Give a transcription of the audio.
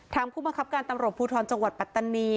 ผู้บังคับการตำรวจภูทรจังหวัดปัตตานี